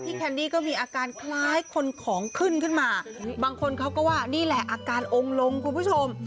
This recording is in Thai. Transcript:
แคนดี้ก็มีอาการคล้ายคนของขึ้นขึ้นมาบางคนเขาก็ว่านี่แหละอาการองค์ลงคุณผู้ชม